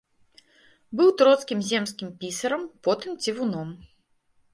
Быў троцкім земскім пісарам, потым цівуном.